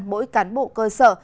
mỗi cán bộ cơ sở